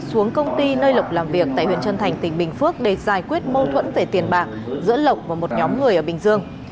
xuống công ty nơi lộc làm việc tại huyện trân thành tỉnh bình phước để giải quyết mâu thuẫn về tiền bạc giữa lộc và một nhóm người ở bình dương